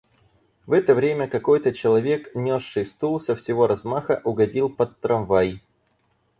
В это время какой-то человек, нёсший стул, со всего размаха угодил под трамвай.